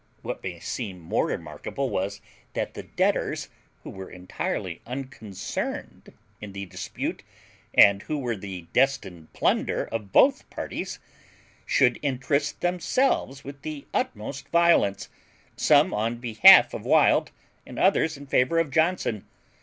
What may seem more remarkable was, that the debtors, who were entirely unconcerned in the dispute, and who were the destined plunder of both parties, should interest themselves with the utmost violence, some on behalf of Wild, and others in favour of Johnson.